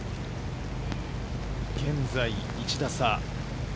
現在、１打差。